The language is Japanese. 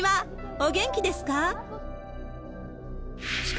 お元気ですか？